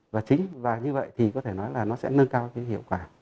và chính và như vậy thì có thể nói là nó sẽ nâng cao cái hiệu quả